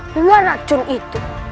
dengan racun itu